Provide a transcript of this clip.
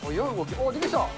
おっ、出てきた。